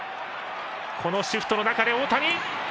このシフトの中で大谷。